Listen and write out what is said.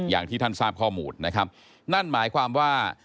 อย่างที่ท่านทราบข้อมูลนะครับนั่นหมายความว่า